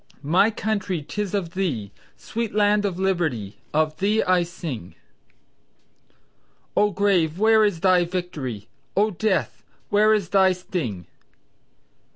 "My Country tis of thee Sweet land of liberty, Of thee I sing." "O! Grave, where is thy Victory, O! Death where is thy sting!"